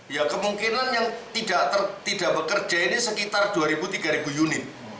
ya kemungkinan yang tidak bekerja ini sekitar dua tiga ribu unit